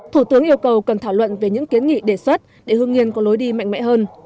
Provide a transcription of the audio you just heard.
thủ tướng yêu cầu cần thảo luận về những kiến nghị đề xuất để hương yên có lối đi mạnh mẽ hơn